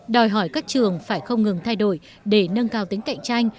đòi hỏi các trường phải không ngừng thay đổi để nâng cao tính cạnh tranh